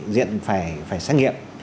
diện phải xét nghiệm